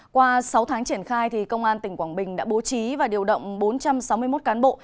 qua sáu tháng triển khai công an tỉnh quảng bình đã bố trí và điều động bốn trăm sáu mươi một cán bộ